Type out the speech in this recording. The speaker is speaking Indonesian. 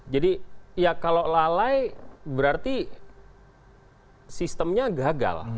jadi ya kalau lalai berarti sistemnya gagal